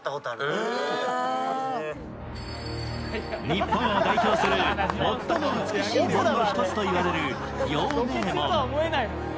日本を代表する最も美しい門の一つといわれる陽明門。